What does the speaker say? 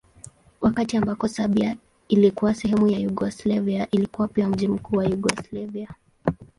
Wakati ambako Serbia ilikuwa sehemu ya Yugoslavia ilikuwa pia mji mkuu wa Yugoslavia.